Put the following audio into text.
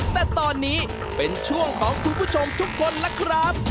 แต่ตอนนี้เป็นช่วงของคุณผู้ชมทุกคนล่ะครับ